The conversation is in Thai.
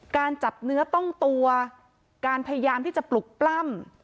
การจับเนื้อต้องตัวการพยายามที่จะปลุกปล้ำ